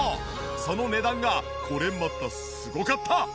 その値段がこれまたすごかった！